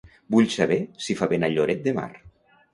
Vull saber si fa vent a Lloret de Mar.